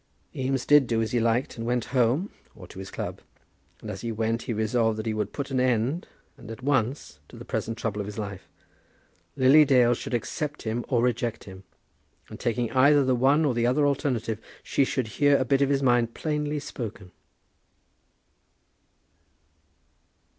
Eames did do as he liked, and went home, or to his club; and as he went he resolved that he would put an end, and at once, to the present trouble of his life. Lily Dale should accept him or reject him; and, taking either the one or the other alternative, she should hear a bit of his mind plainly spoken.